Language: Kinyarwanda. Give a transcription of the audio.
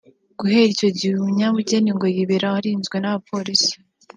Guhera icyo gihe uyu munyabugeni ngo yiberaho arinzwe na polisi